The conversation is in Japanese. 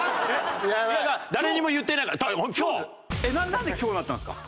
なんで今日なったんですか？